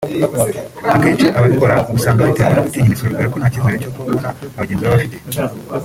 “Akenshi ababikora usanga babiterwa no gutinya imisoro dore ko nta cyizere cyo kubona abagenzi baba bafite